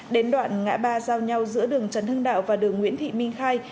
đến đoạn ngã ba giao nhau giữa đường trần hưng đạo và đường nguyễn thị minh khai